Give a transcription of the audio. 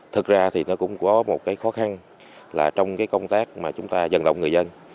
thực ra thì nó cũng có một cái khó khăn là trong cái công tác mà chúng ta dần động người dân